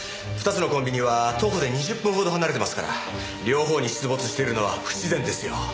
２つのコンビニは徒歩で２０分ほど離れてますから両方に出没しているのは不自然ですよ。